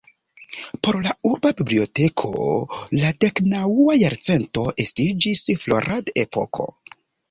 Por la Urba Biblioteko la deknaŭa jarcento estiĝis florad-epoko.